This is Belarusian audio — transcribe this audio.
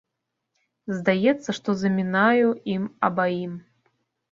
Здаецца, што замінаю ім абаім.